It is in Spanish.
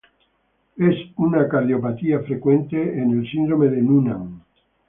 Es una cardiopatía frecuente en el Síndrome de Noonan.